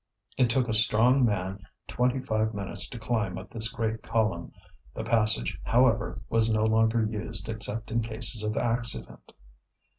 It took a strong man twenty five minutes to climb up this giant column. The passage, however, was no longer used except in cases of accident.